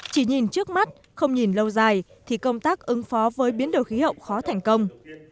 chỉ nhìn trước mắt không nhìn lâu dài thì công tác ứng phó với biến đổi khí hậu khó thành công